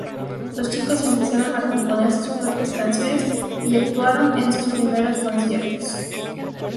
Los chicos empezaron a componer sus propias canciones y actuaron en sus primeros conciertos.